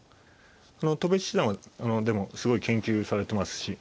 戸辺七段はでもすごい研究されてますし